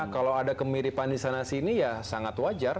kalau ada kemiripan di sana sini ya sangat wajar